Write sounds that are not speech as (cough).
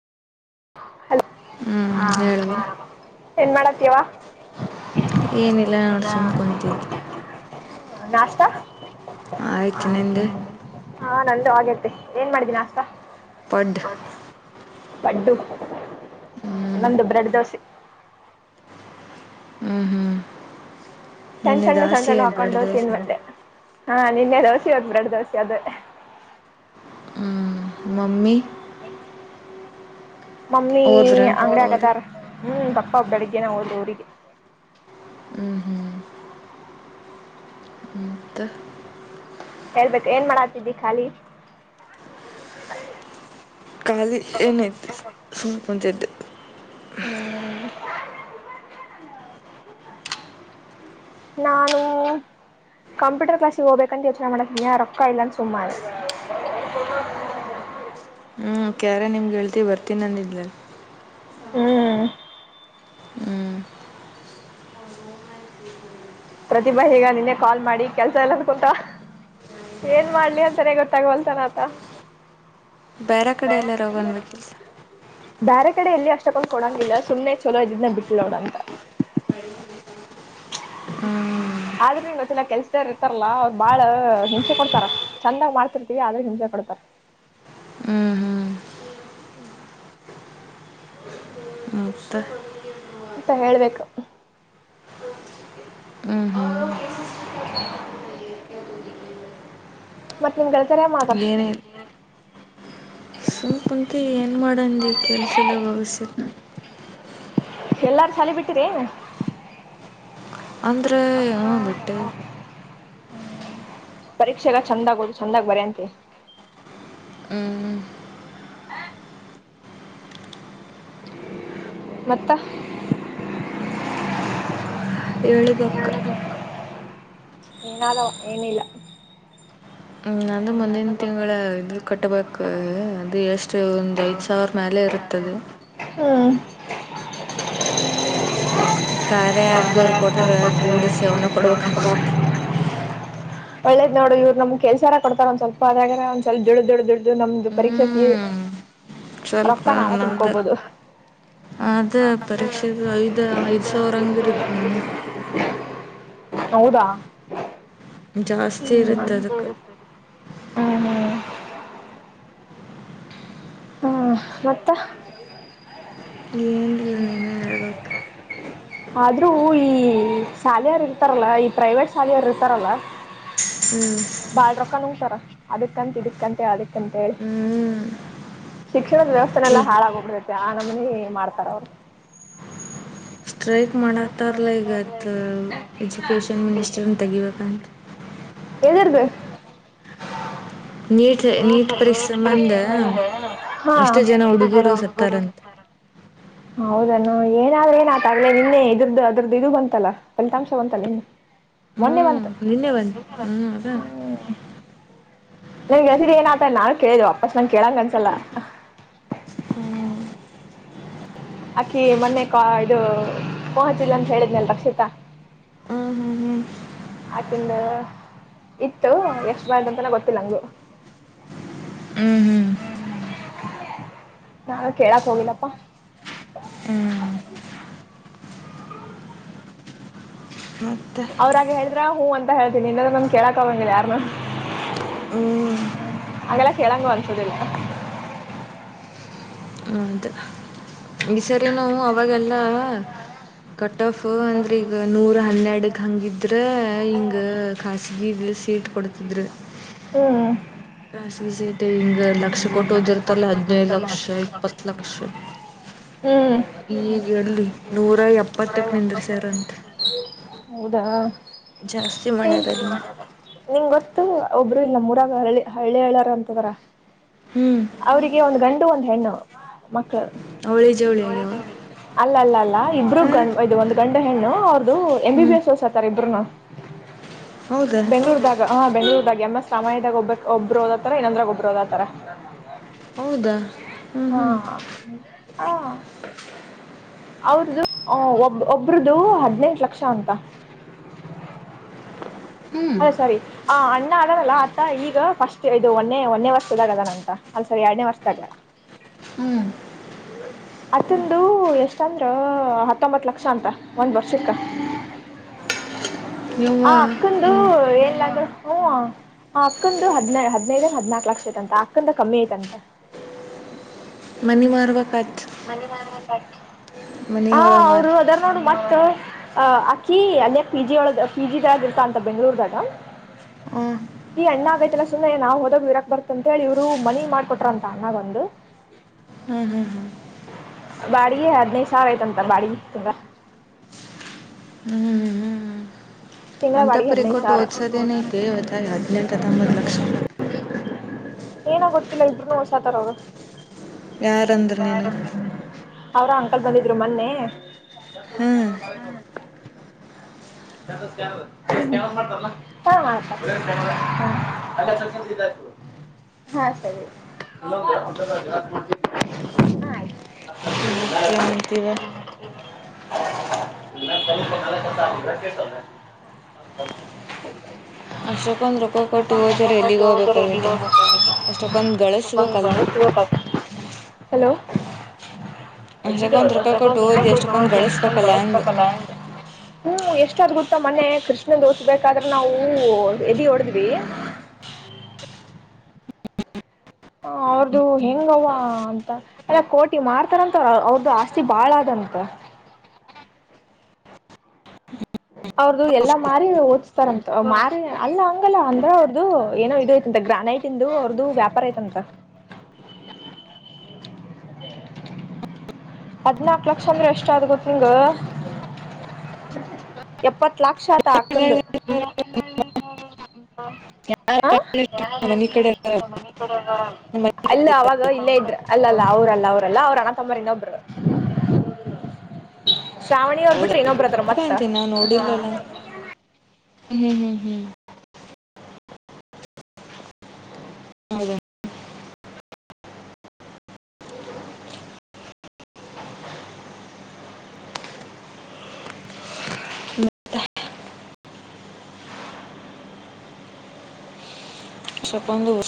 Hello ಹ್ಮ್ ಹಾ ಹೇಳುವ ಹಾ ಏನ್ ಮಾಡತಿವಾ. ಏನಿಲ್ಲ ನೋಡಿ ಸುಮ್ ಕುತಿದ್ದ್. ನಾಷ್ಟ ಆಯ್ತು ಅಯ್ತ್ ನಿಂದು ನಿಂದ್. ಹಾ ನಂದು ಆಗೇತಿ ಏನ್ ಮಾಡಿದ್ದೀ ನಾಷ್ಟ. ಪಡ್ ಪಡ್ಡು ಹ್ಮ್. ನಂದು ಬ್ರೆಡ್ ದೋಸಿ ಹ್ಮ್ ಹ ಸಣ್ಣ ಸಣ್ಣು ಸಣ್ಣ ಸಣ್ಣು ಹಾಕೊಂಡ ಹೊಕ್ಕಿನಿ ಮತ್ತೆ ಹಾ ನಿನ್ನೆ ದೋಸೆ ಇವತ್ತ ಬ್ರೆಡ್ ದೋಸೆ ಅದೇ ಮಮ್ಮಿ ಮಮ್ಮಿ ಮಮ್ಮಿ ಹೋದ್ರೇನು ಪಪ್ಪ ಅಂಗ್ಡ್ಯಾಗ್ ಅವ್ರಿಗೆ ಅದಾರ್ ಹ್ಮ್ ಪಪ್ಪ ಬೆಳಗ್ಗೆನ ಹೋದ್ರ ಊರಿಗಿ ಹ್ಮ್ ಹ ಹೇಳ್ಬೇಕ ಏನ್ ಮಾಡಾತಿದ್ದಿ ಖಾಲಿ ಖಾಲಿ ಏನೈತ ಸುಮ್ ಕುಂತಿದ್ಯ ಹ್ಮ್ ನಾನು ಕಂಪ್ಯೂಟರ್ ಕ್ಲಾಸಿಗ ಹೋಗಬೇಕಂತ ಯೋಚನೆ ಮಾಡಾತಿದ್ದನ್ಯಾ ರೊಕ್ಕಾ ಇಲ್ಲಂತ ಸುಮ್ನಾದನಿ (unintelligible) ಹ್ಮ ಅಕಿಯಾರ್ ನಿಮ್ ಗೆಳತಿ ಬರ್ತೀನ ಅಂದಿದ್ಲಲ ಹ್ಮ್ ಹ್ಮ್ ಪ್ರತಿಭಾ ಹೇಳ್ಯಾಳ್ ನಿನ್ನೆ ಕಾಲ್ ಮಾಡಿ ಕೆಲ್ಸಾ ಇಲ್ಲ ಅಂತ ಕುಂತಾಳ್ ಏನ್ ಮಾಡ್ಲಿ ಅಂತಾನೇ ಗೊತ್ತಾಗವಲ್ತ ಅನಾತಾಳ ಬೇರೆ ಕಡೆ ಎಲ್ಲಾರ ಹೋಗನ್ಬೇಕಿಲ್ಲ (unintelligible) ಬ್ಯಾರೆ ಕಡೆ ಎಲ್ಲಿ ಅಷ್ಟೊಕ್ಕೊಂಡ್ ಕೊಡಂಗಿಲ್ಲ ಸುಮ್ಮನೆ ಚೊಲೋ ಇದ್ದದ್ನ ಬಿಟ್ಟಲ ನೋಡ್ ಅಂತ ಹ್ಮ್ ಆದ್ರು ಇನ್ನೊಂದಲ ಕೆಲ್ಸ್ ರ್ ಇರ್ತಾರಲ್ಲ ಅವ್ರ ಬಾಳ ಹಿಂಸೆ ಕೊಡ್ತಾರ ಚಂದಂಗ ಮಾಡ್ತಿರ್ತಿವಿ ಆದ್ರು ಹಿಂಸೆ ಕೊಡ್ತಾರ ಹ್ಮ್ ಹ್ಮ್ ಹ್ಮ್ ಮತ್ತ ಮತ್ತ ಹೇಳ್ಬೇಕ ಹ್ಮ್ ಹ್ಮ್ (inaudible) ಮತ್ತ್ ನಿಮ್ ಗೆಳೆತ್ಯಾರ್ ಏನ್ಮಾಡಾತಾರ. ಏನಿಲ್ಲ ಸುಮ್ ಕುಂತಿ ಏನ್ ಮಾಡಂದಿ ಕೆಲ್ಸ ಇಲ್ಲ ಬಗಸಿಲ್ಲ ಎಲ್ಲಾರ ಸಾಲಿ ಬಿಟ್ಟಿರೆನ್ ಅಂದ್ರ ಹ ಬಿಟ್ಟೆವಿ ಹ್ಮ ಪರೀಕ್ಷೆಗ ಚಂದಗ ಓದು ಚಂದಾಗ್ ಬರೆಂತಿ ಹ್ಮ್ ಹ್ಮ ಮತ್ತ ಹೇಳಿಬೇಕ ಏನಾದವಾ ಏನಇಲ್ಲ. ಹ್ಮ ನಂದು ಮುಂದಿನ ತಿಂಗಳ ಇದು ಕಟ್ಟಬೇಕ ಅದು ಎಷ್ಟ ಒಂದ ಐದು ಸಾವಿರ ಮ್ಯಾಲೆ ಇರುತ್ತದ ಹ್ಮ್ ಈ ಕಾರ್ಯ ಆ್ಯಪ್ದವ್ರು ಕೊಟ್ರೆ ಕೂಡಿಸಿ ಅವನ್ನ ಕೊಡ್ಬೇಕಂತ ಮಾಡಿ (unintelligible) ಒಳ್ಳೇದ ನೋಡ್ ಇವ್ರ ನಮ್ಗ ಕೆಲ್ಸಾರ ಕೊಡ್ತಾರ ಒಂದ ಸ್ವಲ್ಪ ಅದ್ರಾಗರ ಒಂದ ಸ್ವಲ್ಪ ದುಡುದ ದುಡುದ ದುಡುದ ನಮ್ಮ ಪರೀಕ್ಷೆ ಫೀ ಹ್ಞೂ ರೊಕ್ಕಾ ನಾವ ತುಂಬಕೋಬೋದು ಆದ ಪರೀಕ್ಷೆದ ಐದ್ ಐದ್ ಸಾವಿರಂಗ ಇರತ್ತ ನಂದು ಹೌದಾ ಜಾಸ್ತಿ ಇರುತ್ತೆ ಅದಕ್ಕೆ ಹ್ಮ್ ಹ್ಮ್ ಹ್ಮ್ ಮತ್ತ. ಏನ್ರಿ. ನೀನೇ ಹೇಳ್ಬೇಕ್ ಆದ್ರೂ ಈ ಸಾಲಿಯರ್ ಇರ್ತಾರಲ್ಲ ಈ ಪ್ರೈವೇಟ್ ಸಾಲಿಯರ್ ಇರ್ತಾರಲ್ಲ. (unintelligible) ಬಾಳ್ ರೊಕ್ಕ ಹೋಗ್ತಾರ ಅದಕ್ಂತ ಇದಿ ಅಂತ ಹೇಳಿ ಅದಕ್ಕಂತ ಹೇಳಿ. ಹ್ಞೂ ಶಿಕ್ಷಣದ ವ್ಯವಸ್ಥೆನೆೆಲ್ಲಾ ಈಗ ಹಾಳಾಗೋಗ್ಬಿಡೈತಿ ಆ ನಮನಿ ಮಾಡ್ತಾರ ಅವ್ರು. Strike ಮಾಡತ್ತಾರಲ ಈಗತ್ತು education ಮಿನಿಸ್ಟರ್ನ ತೆಗಿಬೇಕಂತ. ಇದುರ್ದು (unintelligible) ನೀ ನೀಟ್ ಪರೀಕ್ಷೆ ಬಂದ್ರೆ ಹಾ ಎಷ್ಟೋ ಎಷ್ಟು ಜನ ಹುಡುಗರು ಹುಡ್ಗರು ಸತ್ತಾರಂತ ಸಿಗ್ತರೆ. ಹೌದ ನ ಏನಾದ್ರೆ ನ್ ಆತಗ್ಲಲೆ ನಿನ್ನೆ ಇದ್ರದು ಅದ್ರದ್ದ ಇದು ಬಂತಲ್ಲ. ಫಲಿತಾಂಶ ಬಂತಲ್ಲ ಮೊನ್ನೆ ಬಂತು. ಹ್ಮ (unintelligible) ನಂಗೆದಿದಿ ಏನ ಆತಲ್ಲ ನಾನು ಕೇಳಿದೆ ವಾಪಸ್ ನಂಗೆ ಕೇಳಾಕ್ ಅನ್ಸಲ್ಲ. ಹ್ಮ್ ಅಕ್ಕಿ ಮೊನ್ನೆ ಕ ಇದು ಪೋಹಚಿಲ್ಲ ಅಂತ ಹೇಳಿದ್ನಲ್ ರಕ್ಷಿತಾ. ಹ್ಮ್ ಹ್ಮ್ ಹ್ಮ್ ಆಕಿಂದ ಇತ್ತು ಎಷ್ಟ ಬಾರ್ದ ಅಂತನ ಗೊತ್ತಿಲ್ಲ ನಂಗು. ಹ್ಮ್ ಹ್ಮ್ ಹ್ಮ್ (inaudible) ನಾವ್ ಕೇಳಕ್ ಹೋಗಿಲ್ಲಪ್ಪಾ. ಹ್ಮ್ ಮತ್ತೆ ಅವ್ರಾಗ ಹೇಳಿದ್ರ ಹೂ ಅಂತ ಹೇಳ್ತೀನಿ ಇಲ್ಲಂದ್ರೆ ನಮ್ ಕೇಳಕೆ ಹೋಗಗಿಂಲ್ಲ ಯಾರ್ನು. ಹ್ಮ್ ಹಾಗೆಲ್ಲ ಕೇಳಂಗ ಅನ್ಸೋದಿಲ್ಲ. ಹೌದು ಈ ಸರಿನು ಅವಾಗೆಲ್ಲ. ಕಟ್ ಆಫ್ ಅಂದ್ರೆ ಈಗ ನೂರ ಹನ್ನೆರಡಕ್ ಹಂಗಿದ್ರೆ ಹಿಂಗ ಖಾಸಗಿಲ್ಲಿ ಸೀಟ್ ಕೊಡ್ತಿದ್ರು. ಹ್ಮ ಖಾಸಗಿ ಸಿಟ್ ಹಿಂಗ ಲಕ್ಷ ಕೊಟ್ಟು ಹದಿರ್ತಲ್ಲ ಹದ್ನೈದು ಲಕ್ಷ ಇಪ್ಪತ್ಲಕ್ಷ. ಹ್ಮ್ ಈಗ ಎಲ್ಲಿ ನೂರ ಎಪ್ಪತ್ತಕ್ ನಿಂದ್ರಿಸ್ಯಾರಂತೆ. ಹೌದಾ ಜಾಸ್ತಿ ಮಾಡ್ಯಾರ ಅದನ್ನ (unintelligible) ನಿಂಗ್ ಗೊತ್ತು ಒಬ್ರು ಇಲ್ಲ ಮೂರಾಗ ಹಳ್ಳಿ ಹಳ್ಳಿ ಹಳ್ಳಾರ ಅಂತದರ. ಹ್ಞೂ ಅವ್ರಿಗೆ ಒಂದು ಗಂಡು ಒಂದ್ ಹೆಣ್ಣು. ಮಕ್ಳ. ಅವಳಿ ಜವಳಿ ಆಗ್ಯವ. ಅಲ್ಲ ಅಲ್ಲ ಅಲ್ಲ ಇಬ್ರು ಒಂದ್ ಗಂಡ ಹೆಣ್ಣು ಅವ್ರ್ದು ಎಂ ಬಿ ಹ್ಞೂ ಎಸ್. ಸೋಸತಾರೆ ಇಬ್ಬರುನು ಹೌದಾ ಬೆಂಗಳೂರು ದಾಟ್ ಹಾ ಬೆಂಗಳೂದಾಗ ಎಂ ಎಸ್ ರಾಮಾಯದಾಗ ಒಬ್ ಒಬ್ರು ಓದತರ ಇನ್ನೊಂದ್ರಾಗ ಒಬ್ರು ಓದತರ. ಹೌದಾ ಹ್ಮ್ ಹ್ಮ್. ಹ (inaudible) ಅವ್ರದು ಒಬ್ ಒಬ್ರದು ಹದ್ನೆಂಟ್ ಲಕ್ಷ ಅಂತ. ಹ್ಮ್ ಅದ ಸರಿ. ಆ ಅಣ್ಣ ಅದರಲ್ಲ ಆತ್ತ ಈಗ ಫಸ್ಟ್ ಇದು ಒನ್ನೆ ಒನೇ ವರ್ಷದಾಗ ಅದಾನ ಅಂತ ಅಲ ಸಾರಿ ಎರಡ್ನೇ ವರ್ಷದಾಗ. ಹ್ಮ್ (inaudible) ಅತ್ತಂದು ಎಷ್ಟಂದ್ರ ಹತ್ತೊಂಬತ್ತು ಲಕ್ಷ ಅಂತ ಒಂದ್ ವರ್ಷಕ್ಕ. ಆ ಯವ್ವಾ ಅಕ್ಕಂದು ಹ್ಞೂ ಏನ್ಲ ಅಂದ್ರು ಹ. ಆ ಅಕ್ಕಂದು ಹದ್ ಹದಿನೈದ್ ಹದ್ನಾಲ್ಕ್ ಲಕ್ಷ ಐತ ಅಂತ ಅಕ್ಕಂದ ಕಮ್ಮಿ ಐತಂತ. ಮನಿಮಾರ್ ಬೇಕತ್ ಮನಿ ಮಾರ್ ಬೇಕಿತ್ ಹ ಹೊಲ ಅವ್ರು ಮಾರಿ ಅದಾರ್ ನೋಡು ಮತ್ತ. ಅ ಅಕಿ ಅಲ್ಲೆ ಪಿ ಜಿ ಒಳಗ್ ಪಿ ಜಿ ದಾಗ ಇರ್ತಾ ಅಂತ ಬೆಂಗ್ಳೂರ್ದಾಗ. ಹ್ಮ (inaudible) ದಿ ಅಣ್ಣ ಆಗೈತಿಲ್ಲ ಸುಮನೆ ನಾ ಹೋದೋಗ್ ಇರಕ್ ಬರ್ತ ಅಂತ ಹೇಳಿ ಇವರು ಮನಿ ಮಾಡ್ಕೊಟ್ರಂತ ಅಣ್ಣ ಬಂದು. ಹ್ಮ್ ಹ್ಮ್ ಹ್ಮ್ ಬಾಡಿಯ ಹದಿನೈದ್ ಸಾವ್ರ ಆಯ್ತಂತ ಬಡ್ಗಿ ತುಂಬಾ. ಹ್ಮ್ ಹ್ಮ ಹ್ಮ್ ಹ್ಮ್ ತಿಂಗ್ಳಬಾಡಿಗೆ ಹದಿನೈದ್ ಸಾವ್ರ. ಓದ್ಸೋದೇನೈತಿ ಇವತ್ತ ಹದಿನೆಂಟು ಹತ್ತೊಂಬತ್ತು ಲಕ್ಷ ಏನೋ ಗೊತ್ತಿಲ್ಲ ಇಬ್ರುೂ ಹೊಸಾತರ ಅವ್ರು. ಯಾರಂದ್ರ ಬೇಡ ನೀನು ಅವ್ರ ಅಂಕಲ್ ಬಂದಿದ್ರು ಮೊನ್ನೆ. ಹ್ಮ್ ಹ್ಮ (unintelligible) (unintelligible) ತಮಾಷೆ (unintelligible) ಹಾ ಸರಿ ಹ (unintelligible) ಹ್ಮ ಮತ್ತೇ ಏನ್ ಅಂತೀರ. ಇಲ್ಲ (unintelligible) (unintelligible) ಅಷ್ಟಕ್ಕೊಂದು ರೊಕ್ಕ ಕೊಟ್ಟು ಓದಿದ್ರೆ ಎಲ್ಲಿಗೆ ಹೋಗ್ಬೇಕಾಗೈತೆ ಅಷ್ಟಕ್ಕೊಂದು ಗಳಿಸ್ಬೇಕಲ್ಲ (unintelligible) (unintelligible) (unintelligible) ಹಲೋ ಅಷ್ಟಕ್ಕೊಂದು ದೂಪಾಯ ರೊಕ್ಕ ಕೊಟ್ಟು ಓದಿ ಅಷ್ಟಕ್ಕೊಂದು ಗಳಿಸ್ಬೇಕಲ್ಲ ಅಂದೆ ಎಷ್ಟೊಂದಳಬೇಕಲ್ಲ. ಹ್ಮ ಎಷ್ಟಾದ್ ಗೊತ್ತಾ ಮನೆ ಕೃಷ್ಣೋಸಬೇಕಾದ್ರೆ ನಾವು ಎದಿ ಹೊಡದ್ವಿ. ಹ ಅದು ಹೆಂಗವ್ವ ಅಂತ. ಅಲ್ಲ ಕೋಟಿ ಮಾಡ್ತಾರಂತ ಅವ್ರ ಅವ್ರ್ದು ಆಸ್ತಿ ಬಾಳ ಅದಂತ. ಅವ್ರದ್ದು ಎಲ್ಲ ಮಾರಿ ಓದ್ತಾರಂತ ಮಾರಿ ಅಲ್ಲ ಹಂಗಲ್ಲ ಅಂದ್ರ ಅವ್ರದು ಏನೋ ಐತಂತೆ ಗ್ರಾನೈಟ್. ಇಂದು ಅವ್ರಾದು ವ್ಯಾಪಾರ ಐತಂತ. ಹದ್ನಾಕ್ ಲಕ್ಷ ಅಂದ್ರೆ ಎಷ್ಟಾದ್ ಗೊತ್ತ ನಿಂಗ ಎಪ್ಪತ್ ಲಕ್ಷ. ತಾಕಂದು. ಅ ಹ ಮನೆ ಕಡೆ ಅಲ್ಲ ಅವಾಗ ಇಲ್ಲೇ ಇದ್ರ ಅಲ್ಲಲ್ಲ ಅವ್ರಲ್ಲ ಅವ್ರಲ್ಲ ಅವ್ರ ಅಣ ತಮ್ಮರಿಂದ ಒಬ್ರು. (unintelligible) ಶ್ರಾವಣಿ ಅವ್ರು ಬಿಟ್ಟಿ ಏನೋಬ್ರು. ತೀ ನಾ ನೋಡಿಲಲ್ಲ ಹ್ಮ್ ಹ್ಮ್ ಹ್ಮ್. ಹೌದ (unintelligible)